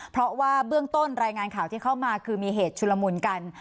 เพราะว่าเบื้องต้นรายงานข่าวที่เข้ามาคือมีเหตุชุลมุนกัน